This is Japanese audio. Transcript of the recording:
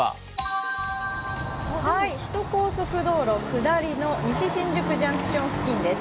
首都高速道路・下りの西新宿ジャンクション付近です。